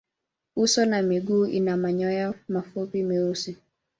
Uso na miguu ina manyoya mafupi meusi.